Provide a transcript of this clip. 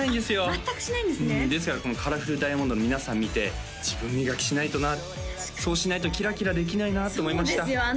全くしないんですねうんですからこのカラフルダイヤモンドの皆さん見て自分磨きしないとなそうしないとキラキラできないなって思いましたそうですよ